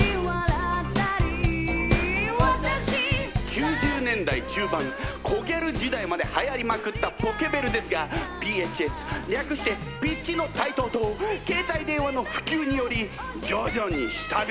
９０年代中盤コギャル時代まではやりまくったポケベルですがＰＨＳ略してピッチの台頭と携帯電話の普及により徐々に下火に。